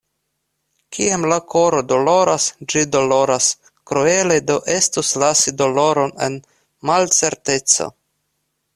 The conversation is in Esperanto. Kiam la koro doloras, ĝi doloras, kruele do estus lasi doloron en malcerteco.